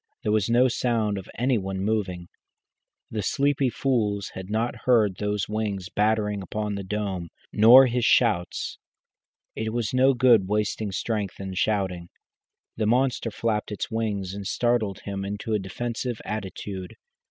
There was no sound of any one moving. The sleepy fools had not heard those wings battering upon the dome, nor his shouts. It was no good wasting strength in shouting. The monster flapped its wings and startled him into a defensive attitude.